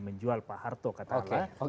menjual pak harto katakanlah